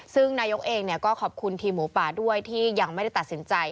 ซึ่งนายกเองก็ขอบคุณทีมหมูป่าด้วยที่ยังไม่ได้ตัดสินใจ